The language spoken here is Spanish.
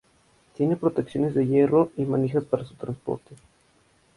Tiene protecciones de hierro y manijas para su transporte.